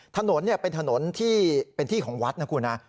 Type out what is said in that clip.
ถนนเป็นถนนที่เป็นที่ของวัดนะคุณนะ